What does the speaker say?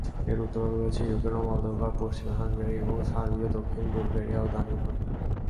এর উত্তর-পূর্বে রয়েছে ইউক্রেন ও মলদোভা, পশ্চিমে হাঙ্গেরি এবং সার্বিয়া, দক্ষিণে বুলগেরিয়া ও দানিউব নদী।